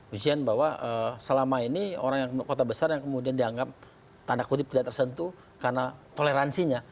ujian bahwa selama ini orang yang kota besar yang kemudian dianggap tanda kutip tidak tersentuh karena toleransinya